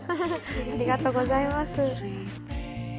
ありがとうございます。